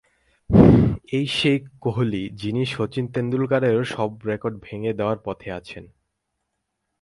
এই সেই কোহলি যিনি শচীন টেন্ডুলকারেরও সব রেকর্ড ভেঙে দেওয়ার পথে আছেন।